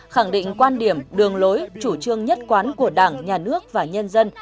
khẳng định quan điểm đường lối chủ trương nhất quán của đảng nhà nước và nhân dân